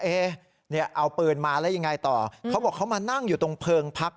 เนี่ยเอาปืนมาแล้วยังไงต่อเขาบอกเขามานั่งอยู่ตรงเพลิงพัก